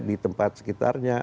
di tempat sekitarnya